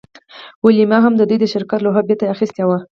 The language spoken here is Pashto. ویلما هم د دوی د شرکت لوحه بیرته اخیستې وه